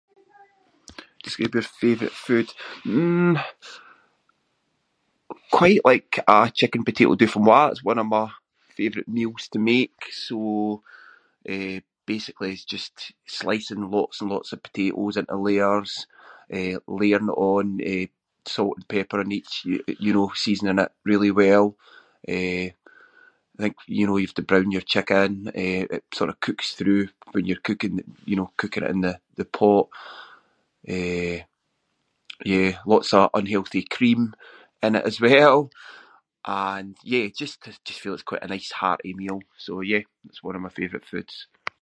Describe your favourite food. Mmm, quite like a chicken potato dauphinois is one of my favourite meals to make. So, eh, basically it's just slicing lots and lots of potatoes into layers, eh, layering it on, eh, salt and pepper on each, y- you know, seasoning it really well. Eh, I think, you know, you’ve to brown your chicken- eh, it sort of cooks through when you're cooking, you know, cooking it in the- the pot. Eh, yeah, lots of unhealthy cream in it as well and, yeah, just feel it’s quite a nice hearty meal. So, yeah, it’s one of my favourite foods.